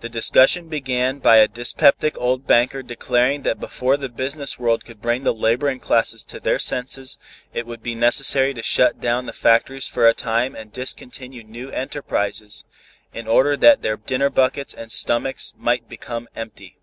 The discussion began by a dyspeptic old banker declaring that before the business world could bring the laboring classes to their senses it would be necessary to shut down the factories for a time and discontinue new enterprises in order that their dinner buckets and stomachs might become empty.